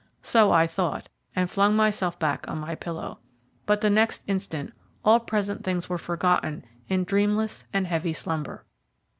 So I thought, and flung myself back on my pillow. But the next instant all present things were forgotten in dreamless and heavy slumber.